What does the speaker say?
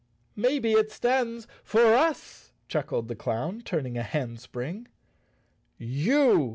"Maybe it stands for us?" chuckled the clown, turn¬ ing a handspring. "You!"